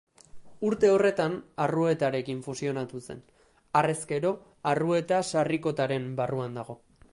Urte horretan Arruetarekin fusionatu zen; harrezkero Arrueta-Sarrikotaren barruan dago.